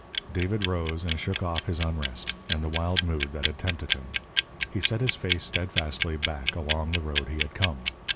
David rose, and shook off his unrest and the wild mood that had tempted him. He set his face steadfastly back along the road he had come.